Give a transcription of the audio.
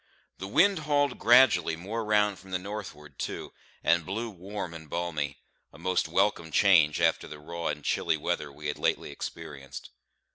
The wind hauled gradually more round from the northward too, and blew warm and balmy; a most welcome change after the raw and chilly weather we had lately experienced.